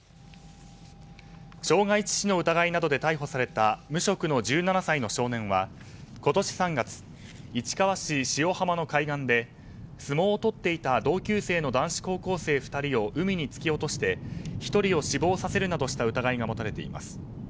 傷害致死の疑いなどで逮捕された無職の１７歳の少年は今年３月、市川市塩浜の海岸で相撲を取っていた同級生の男子高校生２人を海に突き落として１人を死亡させるなどした疑いが持たれています。